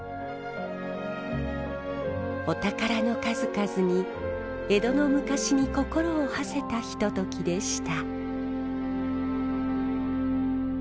お宝の数々に江戸の昔に心をはせたひとときでした。